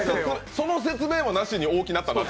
その説明もなしに「大きなったなあ」